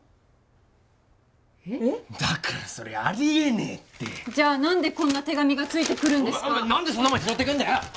だからそれありえねえってじゃあ何でこんな手紙がついてくるんですか何でそんなもん拾ってくんだよ